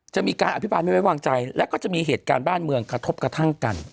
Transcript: จะมีการอภิบายไม่ไว้วางใจแล้วก็จะมีเหตุการณ์บ้านเมืองกระทบกระทั่งกัน